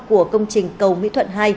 của công trình cầu mỹ thuận hai